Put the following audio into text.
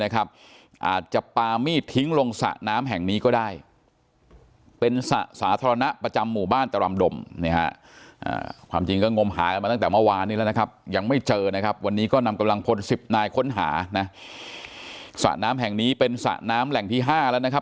ก็นำกำลังพลสิบนายค้นหานะสระน้ำแห่งนี้เป็นสระน้ำแหล่งที่ห้าแล้วนะครับ